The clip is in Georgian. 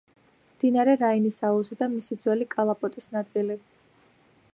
მდინარე რაინის აუზი და მისი ძველი კალაპოტის ნაწილი.